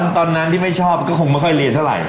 ตอนนั้นที่ไม่ชอบก็คงไม่ค่อยเรียนเท่าไหร